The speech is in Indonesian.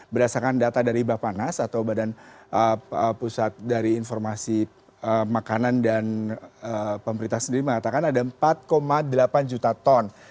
berdasarkan data dari bapanas atau badan pusat dari informasi makanan dan pemerintah sendiri mengatakan ada empat delapan juta ton